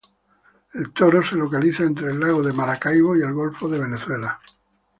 El Toro se localiza entre el lago de Maracaibo y el golfo de Venezuela.